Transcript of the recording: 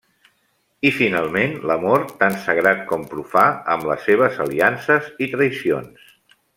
I, finalment, l'amor, tant sagrat com profà, amb les seves aliances i traïcions.